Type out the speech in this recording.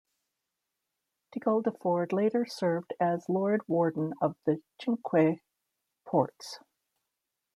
De Guldeford later served as Lord Warden of the Cinque Ports.